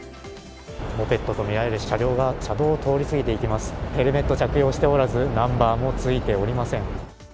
モペットとみられる車両が車道を通り過ぎていきまするヘルメットを着用しておらずナンバーもついておりません。